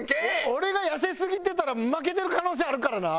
俺が痩せすぎてたら負けてる可能性あるからな！